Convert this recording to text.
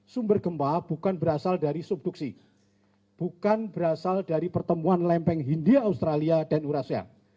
sumber gempa bukan berasal dari subduksi bukan berasal dari pertemuan lempeng hindia australia dan eurasia